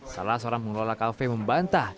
salah seorang pengelola kafe membantah